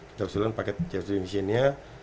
kita usulkan paket chef dimensionnya